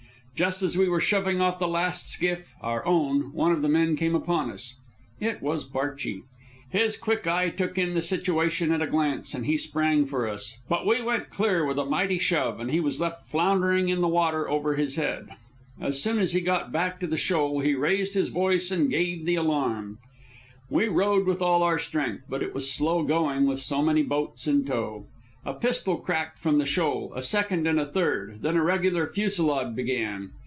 Just as we were shoving off the last skiff, our own, one of the men came upon us. It was Barchi. His quick eye took in the situation at a glance, and he sprang for us; but we went clear with a mighty shove, and he was left floundering in the water over his head. As soon as he got back to the shoal he raised his voice and gave the alarm. We rowed with all our strength, but it was slow going with so many boats in tow. A pistol cracked from the shoal, a second, and a third; then a regular fusillade began.